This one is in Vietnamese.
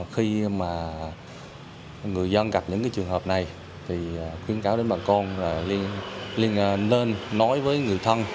khi mà người dân gặp những trường hợp này thì khuyến cáo đến bà con là nên nói với người thân